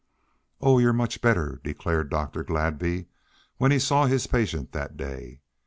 "Oh, you're much better!" declared Dr. Gladby when he saw his patient that day.